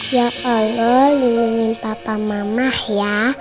ya allah ingin papa mama ya